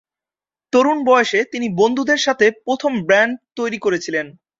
তরুণ বয়সে তিনি বন্ধুদের সাথে প্রথম ব্যান্ড তৈরি করেছিলেন।